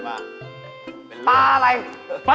กินปลาอะไรล่ะ